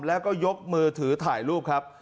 แล้วก็ยกมือถือถ่ายรูปครับ